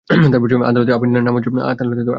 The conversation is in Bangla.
আদালত আপিল নামঞ্জুর করেছে।